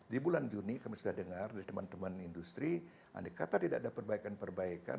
di bulan juni kami sudah dengar dari teman teman industri andai kata tidak ada perbaikan perbaikan